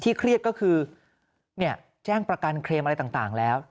เครียดก็คือแจ้งประกันเครมอะไรต่างแล้ว